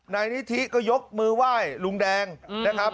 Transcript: นายนิธิก็ยกมือไหว้ลุงแดงนะครับ